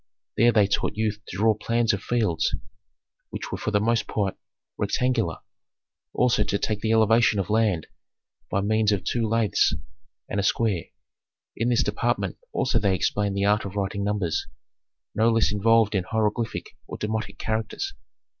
There they taught youth to draw plans of fields which were for the most part rectangular, also to take the elevation of land by means of two laths and a square. In this department also they explained the art of writing numbers no less involved in hieroglyphic or demotic characters.